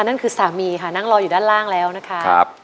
นั่นคือสามีค่ะนั่งรออยู่ด้านล่างแล้วนะคะ